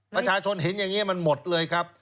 ประชาชนเห็นอย่างนี้มันหมดเลยครับ